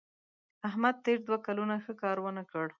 احمد تېر دوه کلونه ښه کار ونه کړ.